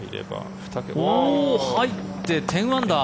入って１０アンダー。